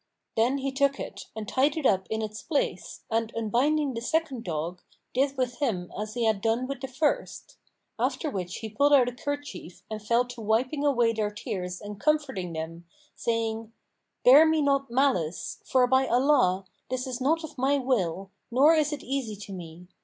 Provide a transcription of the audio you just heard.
Then he took it and tied it up in its place, and unbinding the second dog, did with him as he had done with the first; after which he pulled out a kerchief and fell to wiping away their tears and comforting them, saying, "Bear me not malice; for by Allah, this is not of my will, nor is it easy to me!